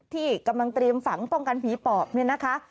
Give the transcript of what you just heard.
ที่กำลังเตรียมฝังป้องกันผีปอบเนี่ยนะคะ